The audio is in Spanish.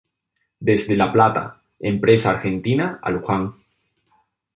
Desde La Plata, Empresa Argentina a Luján.